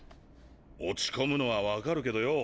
落ち込むのは分かるけどよ